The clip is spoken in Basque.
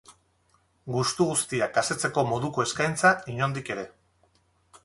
Gustu guztiak asetzeko moduko eskaintza, inondik ere.